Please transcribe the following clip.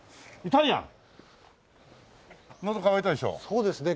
そうですね。